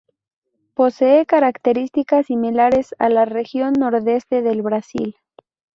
Posee características similares a la Región Nordeste del Brasil.